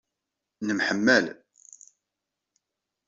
Nemḥemmal.